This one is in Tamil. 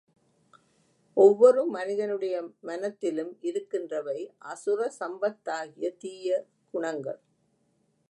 ஒவ்வொரு மனிதனுடைய மனத் திலும் இருக்கின்றவை அசுர சம்பத்தாகிய தீய குணங்கள்.